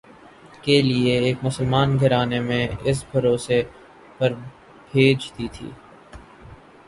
کے لئے ایک مسلمان گھرانے میں اِس بھروسے پر بھیج دی تھی